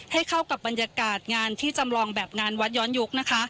ให้เข้ากับบรรยากาศแบบวัดย้อนยุค